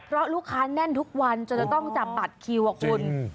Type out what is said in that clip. เพราะลูกค้าแน่นทุกวันจนจะต้องจับบัตรคิวอะคุณ